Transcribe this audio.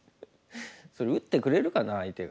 それ打ってくれるかな相手が。